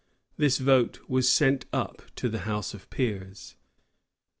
This vote was sent up to the house of peers.